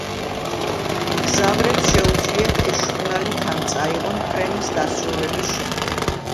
მგზავრებს შეუძლიათ ეს ჟურნალი თან წაიღონ ფრენის დასრულების შემდეგ.